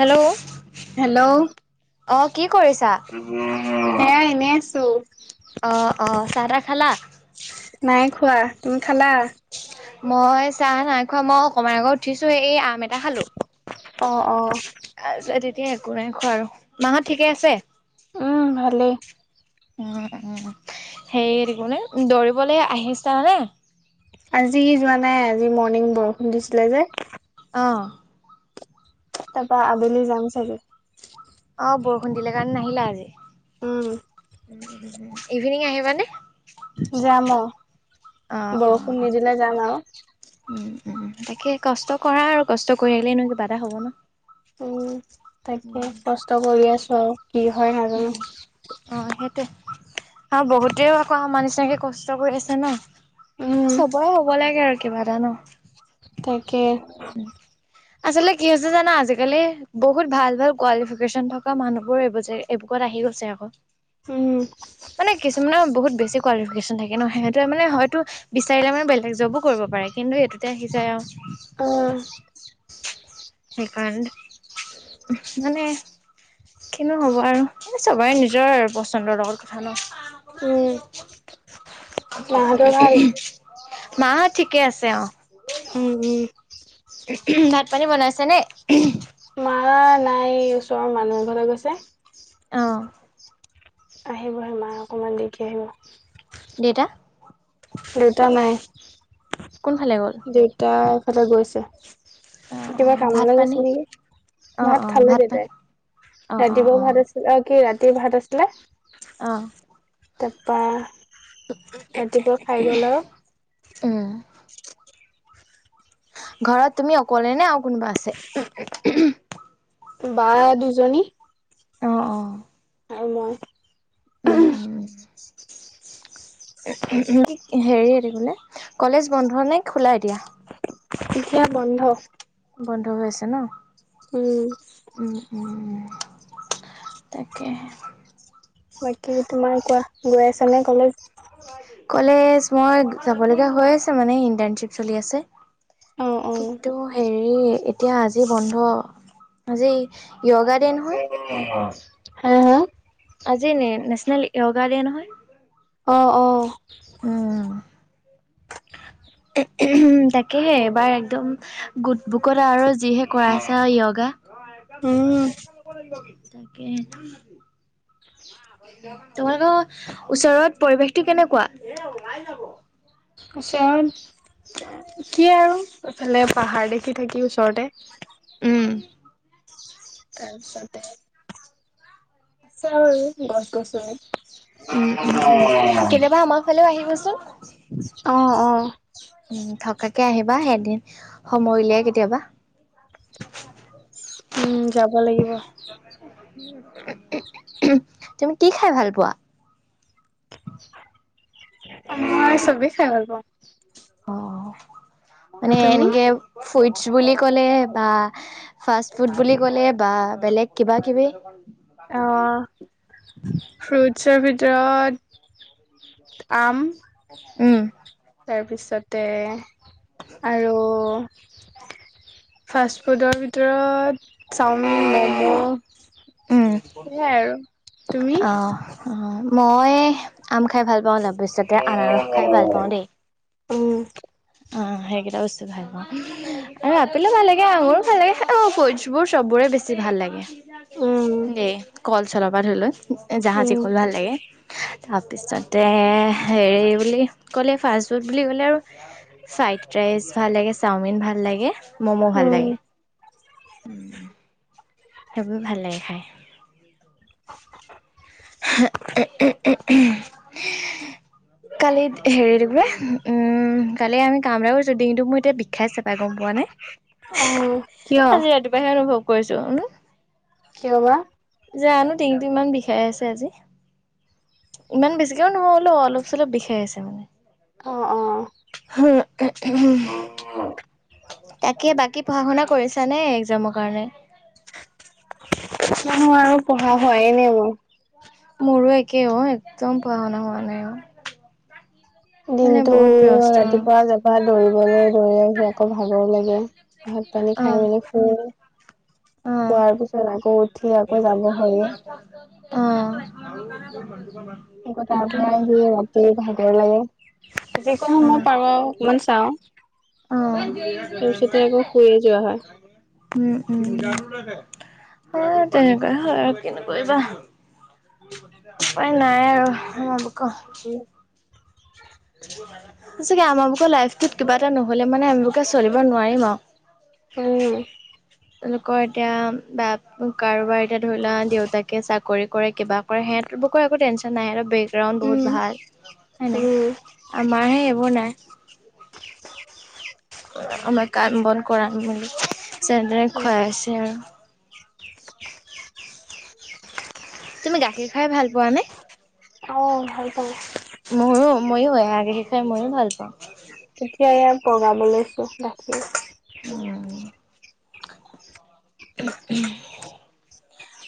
Hello! Hello অ কি কৰিছা? এ এনেই আছো। অ অ চাহ তাহ খালা নাই খোৱা তুমি খেলা? মই চাহ নাই খোৱা মই অকমান আগত উঠিছো এই এ খালো । অ অ আ এতিয়া একো নাই খোৱা আৰু মাহত ঠিকে আছে। উম ভালেই। উ উম সেইে দৌৰিবলৈ আহিছানে আজি যোৱা নাই আজি মৰ্ণিং বৰষুণ দিছিলে যে। অ। তাপা আবেলি যাম চাগে অ বৰষুণ দিলে কাৰণে নাহিলা আজি। উম ইভিনিং আহিবানে? জাম অ অ অ বৰষুণ নিদিলে যাম আও। অ উম তাকে কষ্ট কৰা আৰু কষ্ট কৰিলেনো কিবা এটা হ'ব ন। উম। তাকে কষ্ট কৰি আছো আও। কি হয় নাজানো। আ বহুতেও আকৌ আমৰ নিচিনাকে কষ্ট কৰি আছে ন। উম চবৰে হ'ব লাগে তাকে আৰু কিবা এটা ন। তাকে আচলতে কি হৈছে জানা আজিকালি বহুত ভাল ভাল কোৱালিফিকেচন থকা মানুহবোৰে বুজে এইবুকত আহি গৈছে আকৌ উম মানে কিছুমানৰ বহুত বেছি কোৱালিফিকেশ্যন থাকে ন সিহঁতে মানে হয়তো বিচাৰিলে মানে বেলেগ জবো কৰিব পাৰে কিন্তু এইটোতে আহি যায় আও। উম। সেইকাৰণে, মানে কিনো হব আৰু। চবই নিজৰ পচন্দৰ লগৰ কথা ন। উম। মাহঁতৰ ভাল? মাহঁত ঠিকেই আছে। তেওঁ উম উম। যেনে [unintelligible] মা নাই ওচৰৰ মানুহ এঘৰলে গৈছে। অহ আহিব আহিব মা অকমান দেৰিকে আহিব। দেতা দেউতা নাই। কোনফালে গ'ল দেউতা এফালে গৈছে। অ অ কিবা ভাত কামলৈ পানী গৈছে নেকি, অ ভাত অ খালে পানী দেতাই অ অ ৰাতিপুৱা অ ভাত আছিল অ কি ৰাতি ৰাতি ভাত আছিলে অহ তাপা ৰাতিপুৱা খাই গল আও উম। ঘৰত তুমি অকলেনে আৰু কোনোবা আছে? বা দুজনী অ অ আৰু মই। উম উম হেৰি কলেজ বন্ধ নে খোলাই দিয়া শতিয়া বন্ধ বন্ধ হৈ আছে ন উম উম উম তাকেে বাকী তোমাৰ কোৱা গৈ আছ নে কলেজ কলেজ মই যাব লগগীয়া হৈ আছে মানে ইণ্টাৰণশ্বিপ চলি আছে অ অ কিন্তু হেৰি হ এতিয়া আজি বন্ধ আজি য়োগা ডে নহয় [inaudible] হা হা আজি ন নেশচনেল য়োগা দে নহয় আহ অ উ তাকেহে এবাৰ একদম গোট বুকত আৰু যিহে কৰা আছা য়গা উম ল তাকে [inaudible] তোমালোকৰ ওচৰত পৰিৱেশটো কেনেকুৱা ওচৰত কি আৰু এইফালে পাহাৰ দেখি থাকি ওচৰতে উম তাৰপিছতে আছে আৰু গছ গছনি উম উম উম কেনেয়বা আমাৰ ফালেও আহিবচোন অঁ অঁ উম, থকাকে আহিবা সেইদিন সময় উলিয়াই কেতিয়াবা উম যাব লাগিব তুমি কি খাই ভাল পোৱা মই চবেই খাই ভাল পাওঁ অ মানে তুমি? এনেকে ফুইডছ বুলি ক'লে বা ফাষ্ট ফুড বুলি ক'লে বা বেলেগ কিবা কিবি অ ফ্ৰুটছ ্ৰ আম উম তাৰপিছতে আৰু [unintelligible] ফাষ্টফুডৰ ভিতৰত চাওমিন, ম'মো উম তুমি? অ', -অ। মই আম খাই ভাল পাওঁ অলপ ভৱিষ্যতে আনাৰস খাই ভাল পাওঁ দেই উম। অ' সেইকেইটা বস্তু ভাল পাওঁ আৰু আপেলো ভাল লাগে, আঙুৰো ভাল লাগে, অ' ফুৰ্টচবোৰ চবোৰে বেছি ভাল লাগে। উম, দে। কল চলাব ধৰি লও। জাহাজী উম, কল ভাল লাগে। তাৰপিছতে হেৰি বুলি ক'লে ফাষ্টফুড বুলি ক'লে আৰু ফ্ৰাইড ৰাইচ ভাল লাগে চাওমিন ভাল লাগে। ম'মো ভাল উম, লাগে। সবেই ভাল লাগে খাই কালি হেৰি দে উম কালি আমি কাম এটা কৰিছো, ডিঙিতটো মোৰ এতিয়া বিষাইছে গম পোৱা নাই । অহ কিয়? কৈছো উম'। কিয় বা? [inaudible] জানো ডিঙিটো ইমান বিষাই আছে । ইমান বেছিকেও নহয় অলপ চলপ বিষাই আছে মানে অ', অ'। হম। তাকে বাকী পঢ়া-শুনা কৰিছা নে একজামৰ কাৰণে মোৰ আৰু পঢ়া হোৱা নাই মোৰ । মোৰো একে অ' একদম পঢ়া-শুনা শু হোৱা নাই অ'। মানে দিনতটো বহুত ব্যস্ত ৰাতিপুৱা যপা দৌৰিবলৈ দৌৰি আহি আকৌ ভাগৰ লাগে । [unintelligible] ভাত পানী অ খাই মেলি শুই অ খোৱাৰ পিছত আকৌ উঠি আকৌ যাব হয়ে । অ [unintelligible] আকৌ তাৰ সেইটো পৰা হয় আহি ৰাতি ভাগৰ লাগে, যিকোনো অ মোৰ পাৰো অকমান চাও তাৰপিছতে আকৌ শুই উম-উম। অ' তেনেকুৱাই হয় আৰু কিনো কৰিবা উপায় নাই আৰু উম'। সচাকে আমাৰ বোকৰ লাইফটোত কিবা এটা নহ'লে মানে আমি বোৰে চলিব নোৱাৰিম উম আৰু তেওঁলোকৰ এতিয়া কাৰোবাৰ এতিয়া ধৰি লোৱা দেউতাকে চাকৰি কৰে কিবা কৰে সিহঁতৰ বাৰু একো টেনশ্যন নাই, সিহঁতৰ বেকগ্ৰাউণ্ড বহুত ভাল। হয় নাই উম। আমাৰহে এইবোৰ নাই । আমাৰ কাম বন কৰা মানুহ যেন তেনে উম খুৱাই আছে আৰু তুমি গাখীৰ খাই ভাল পোৱাানে? অ ভাল পাওঁ মউ ময়ো এয়া গাখীৰ খাই ময়ো ভাল পাওঁ এতিয়া এৱা প্ৰগ্ৰাম লৈছো বাকী উম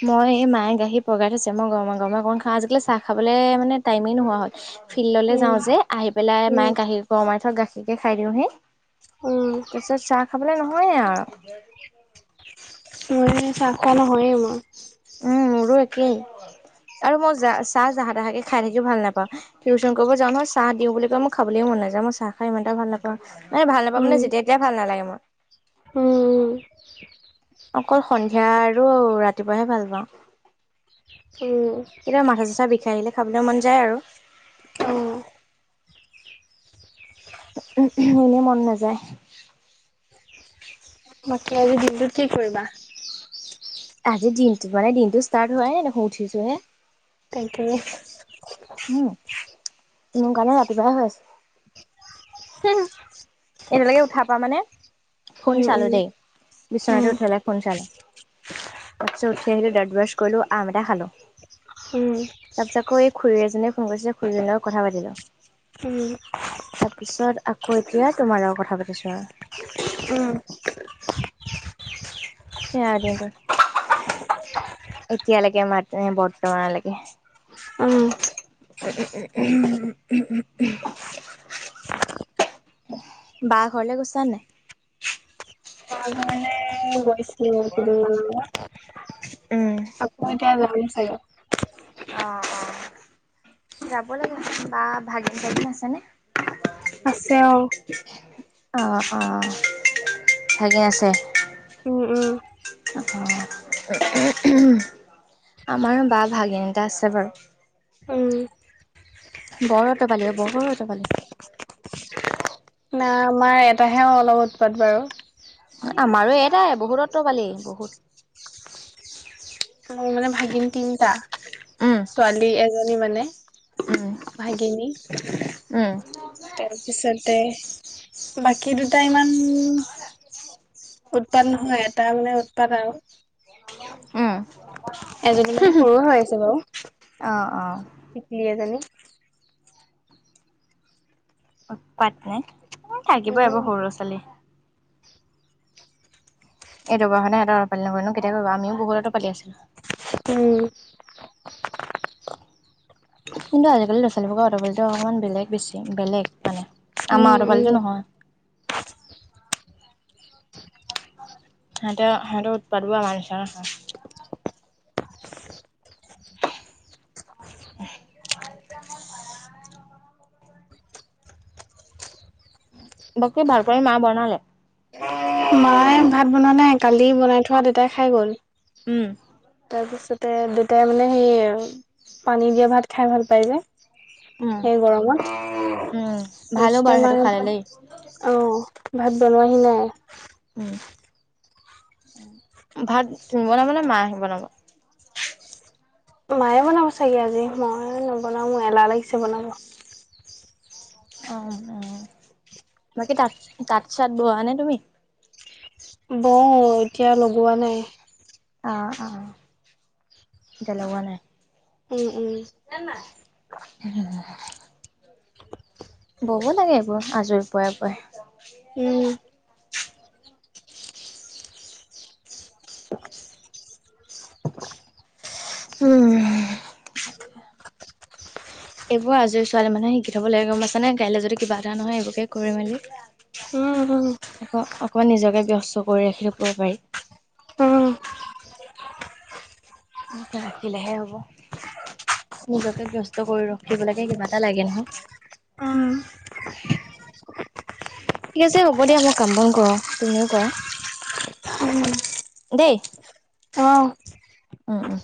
মই এই মায়ে গাখীৰ পগাই থৈছে মই গৰমে গৰমে অকণ খাওঁ আজিকালি চাহ খাবলৈ মানে টাইমেই নোহোৱা হল ফিল্ডলৈ যাওঁ উম যে আহি পেলাই উম মায়ে গাখীৰ গৰমাই থয় গাখীৰকে খাই দিওঁহি উম তাৰপিছত চাহ খাবলে নহয়ে আৰু চাহ খোৱা নহয়ে মই উম মোৰো একেই আৰু মই যাহ চাহ জাহা তাহাকে খাই থাকিও ভাল নাপাওঁ টিউশচন কৰিব যাওঁ নহয় চাহ দিওঁ বুলি কয় মোক খাবলৈও মন নাযায় মই চাহ খাই ইমান এটা ভাল নাপাওঁ মানে ভাল নাপাওঁ উম মানে যেতিয়া তেতিয়া ভাল নালাগে মোৰ উম অকল সন্ধিয়া আৰু ৰাতিপুৱাহে ভাল পাওঁ উম উম কেতিয়াবা মাথা চাথাা বিষাই আহিলে খাবলৈ মন যায় আৰু অ উ উ এনেই মন নাযায় বাকী আজি দিনটোত কি কৰিবা আজি দিনটো মানে দিনটো ষ্টাৰ্ট হোৱাই নাই দেখোন উঠিছো হে থেংক ইউ তুমো কাৰণে ৰাতিপুৱাই হৈ আছে হ এতিালৈকে উঠা পা মানে ফোন উম চালো উম দেই বি্বনাতে উম উঠেলাই ফোন চালো তাৰপিছত উঠি আহিলো দত ব্ৰছ কৰিলো আম এটা খালো তাৰপিছত আকৌ এই খুৰী এজনীয়ে ফোন কৰিছিলে খুৰীজনীৰ লগত কথা পাতিলো উম পিছত আকৌ এতিয়া তোমাৰ লগত কথা পাতিছো উম উম আৰু সেৱা আদি এতিয়ালৈকে মাত উম বৰ্তমানলৈকে বা ঘৰলে গৈছা নে? পইঢ উম আকৌ এতিয়া যাম চাগে অ অ যাব লাগিব বা ভাগিন ভাগিন আছেনে? আছে অ অ অ ভাকে আছে উম উম আমাৰো বা ভাগিন এটা আছে বাৰু উম ব অতপালি অ বহু অতপালি না আমাৰ এটাহে অলপ উৎপাত বাৰু আমাৰো এটাই বহুত অতপালি বহুত মো মানে ভাগিন তিনিটা উম, ছোৱালী এক এজনী মানে উম, ভাগিনী উম, তাৰ পিছতে বাকী দুটা ইমান উৎপাত নহয় এটা মানে উৎপাত আৰু উ এজনী মানে সৰু হৈ আছে বাৰু অ', অ', টিকলি এজনী উৎপাট নেে? উ থাকিবই উম এবোৰ সৰু'লৰা ছোৱালী এই দুবাহতে এটা লৰা ছোৱালী নহয়নো কেতিয়া কৰিব আমিও বহুতো পালি আছিলো উ কিন্তু আজিকালি ল'ৰা ছোৱালীবোক অতপালিতো অকমান বেলেগ বেছি বেলেগ মানে উম আমাৰ উম অতপালিটো নহয় । সিহঁতে সিহতৰ উৎপাত বোৰ আমাৰ নিচনা নহয় । [inaudible] বাকি ভাত পানী মায়ে বনালে । মায়ে ভাত বনোৱা নাই কালি বনাই থোৱা দেউতাই খাই গ'ল । উম। তাৰপিছতে দেউতাই মানে সেই পানী দিয়া ভাত খাই ভাল পায় যে উম । সেই গৰমত উম ভালো বাৰু তাৰপিছতে সেইটো মানে খালে দেই অহ। ভাত বনোৱাহি নাই। উম ভাত তুমি বনাব নে মায়ে আহি বনাব । মায়ে বনাব চাগে আজি মই নবনাও এলাহ লাগিছে বনাব । অহ অহ বাকী তাত তাঁত চাত বোৱা নে তুমি? বহুত এতিয়া লগোৱা নাই। অহ অহ এতিয়া লগোৱা নাই । উম, উম। উম। বব লাগে এইবোৰ আজৰি পৰাই পৰাই । উম [inaudible] উম। এইবোৰ আজৰি ছোৱালী মানুহে শিকি থব লাগে গম পাইছানে কাইলৈ যদি কিবা এটা নহয় এইবোৰকে কৰি উম মেলি অক অকমান নিজকে ব্যস্ত কৰি ৰাখিব পাৰি উম । উম উম এনেকে ৰাখিলেহে হব নিজকে ব্যস্ত কৰি ৰখিব লেকে কিবা এটা লাগে নহয়, উম ঠিক আছে হ'ব দিয়া মই কাম বন কৰো তুমিও কৰা। দেই। অহ উম উম।